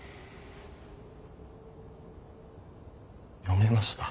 読めました。